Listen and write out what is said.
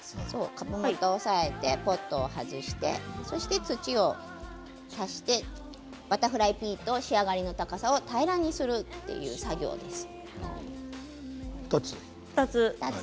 株元を押さえてポットを外してそして土をさしてバタフライピーと仕上がりの高さを同じにする２つ？